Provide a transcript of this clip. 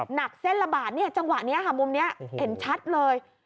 หนักเส้นละบาทจังหวะนี้มุมนี้เห็นชัดเลย